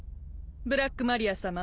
ブラックマリアさま。